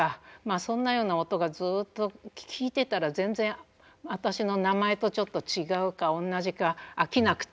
そんなような音がずっと聴いてたら全然私の名前とちょっと違うか同じか飽きなくて。